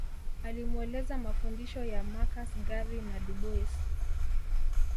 Alimueleza mafundisho ya Marcus Garvey na Du Bois